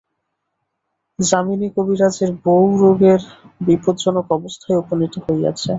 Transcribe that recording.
যামিনী করিবাজের বৌ রোগের বিপজ্জনক অবস্থায় উপনীত হইয়াছে।